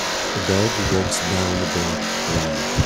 A dog walks down a black ramp.